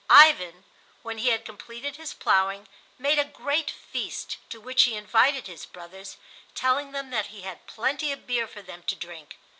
Ivan, when he had completed his plowing, made a great feast, to which he invited his brothers, telling them that he had plenty of beer for them to drink.